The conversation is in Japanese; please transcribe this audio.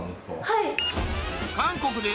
はい。